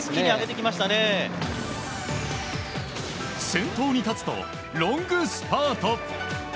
先頭に立つとロングスパート！